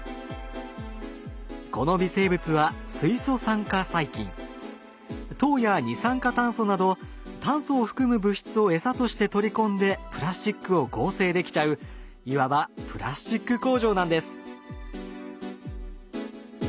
この微生物は糖や二酸化炭素など炭素を含む物質を餌として取り込んでプラスチックを合成できちゃういわばプラスチック工場なんです。